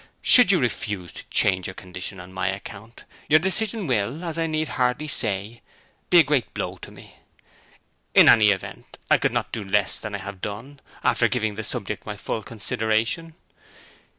Should you refuse to change your condition on my account, your decision will, as I need hardly say, be a great blow to me. In any event, I could not do less than I have done, after giving the subject my full consideration.